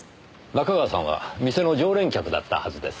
仲川さんは店の常連客だったはずです。